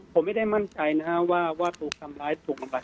อ๋อผมไม่ได้มั่นใจว่าถูกทำร้ายถูกทำร้าย